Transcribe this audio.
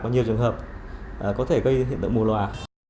có nhiều trường hợp có thể gây hiện tượng mù lòa